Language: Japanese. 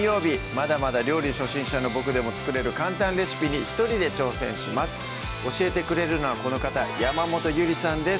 まだまだ料理初心者のボクでも作れる簡単レシピに一人で挑戦します教えてくれるのはこの方山本ゆりさんです